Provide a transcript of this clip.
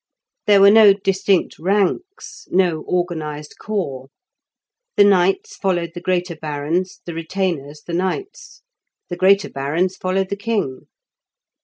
There were no distinct ranks, no organized corps. The knights followed the greater barons, the retainers the knights; the greater barons followed the king.